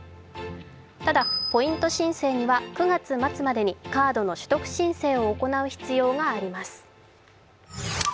ただ、ポイント申請には９月末までにカードの取得申請を行う必要があります。